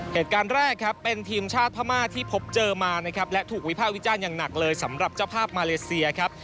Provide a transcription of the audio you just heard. เหตุการณ์แรกครับเป็นทีมชาติพม่าที่พบเจอมานะครับและถูกวิภาควิจารณ์อย่างหนักเลยสำหรับเจ้าภาพมาเลเซียครับ